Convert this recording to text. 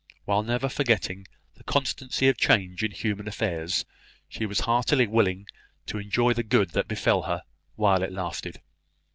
While never forgetting the constancy of change in human affairs, she was heartily willing to enjoy the good that befell her, while it lasted.